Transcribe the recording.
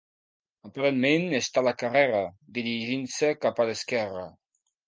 Aparentment està a la carrera, dirigint-se cap a l'esquerra.